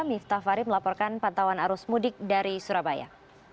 miftah farid melaporkan pantauan arus mudik dari surabaya